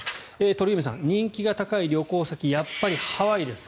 鳥海さん、人気が高い旅行先やっぱりハワイです。